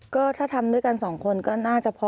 ก็ถ้าทำด้วยกันสองคนก็น่าจะพอ